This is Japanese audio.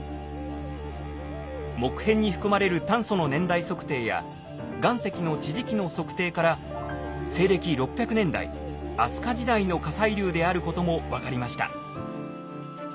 木片に含まれる炭素の年代測定や岩石の地磁気の測定から西暦６００年代飛鳥時代の火砕流であることも分かりました。